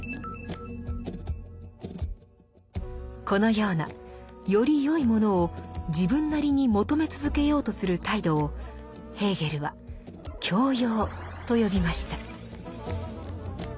このようなよりよいものを自分なりに求め続けようとする態度をヘーゲルは「教養」と呼びました。